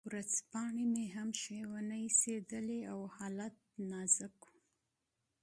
اخبارونه مې هم ښه ونه ایسېدل او حالت نازک و.